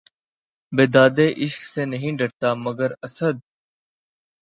بیدادِ عشق سے نہیں ڈرتا، مگر اسد!